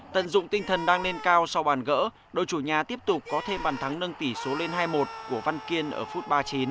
tận dụng tinh thần đang lên cao sau bàn gỡ đội chủ nhà tiếp tục có thêm bàn thắng nâng tỷ số lên hai mươi một của văn kiên ở phút ba mươi chín